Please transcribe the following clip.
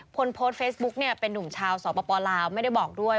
คนโพสต์เฟสบุ๊กเป็นหนุ่มชาวสทลไม่ได้บอกด้วย